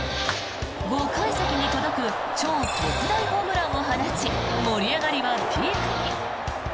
５階席に届く超特大ホームランを放ち盛り上がりはピークに。